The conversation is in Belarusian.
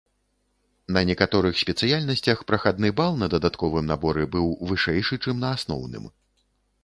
На некаторых спецыяльнасцях прахадны бал на дадатковым наборы быў вышэйшы, чым на асноўным.